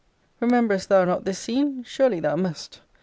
Rememebrest thou not this scene? Surely thou must.